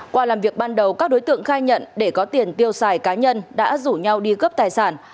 qua làm việc ban đầu các đối tượng khai nhận để có tiền tiêu xài cá nhân đã rủ nhau đi cướp tài sản